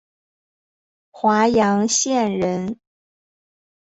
华阳县人。